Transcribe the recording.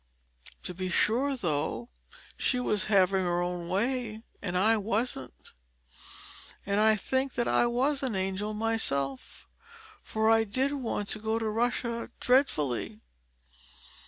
To be sure, though, she was having her own way, and I wasn't; and I think that I was an angel myself, for I did want to go to Russia dreadfully.